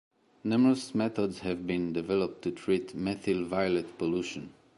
Numerous methods have been developed to treat methyl violet pollution.